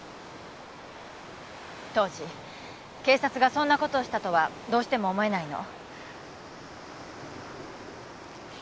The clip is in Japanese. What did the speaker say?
当時警察がそんな事をしたとはどうしても思えないの。